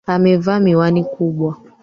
Amevaa miwani kubwa.